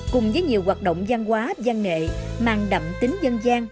cùng với nhiều hoạt động gian hóa gian nghệ mang đậm tính dân gian